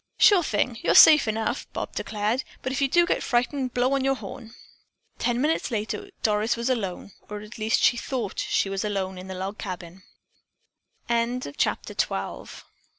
"Sure thing. You're safe enough!" Bob declared. "But if you do get frightened, blow on your horn." Ten minutes later Doris was alone, or at least she thought she was alone in the log c